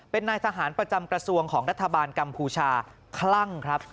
เป็นนายทหารประจำกระทรวงของรัฐบาลกัมพูชาคลั่งครับ